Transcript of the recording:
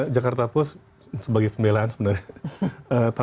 jakarta post sebagai pembelaan sebenarnya